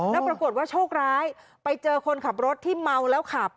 แล้วปรากฏว่าโชคร้ายไปเจอคนขับรถที่เมาแล้วขับ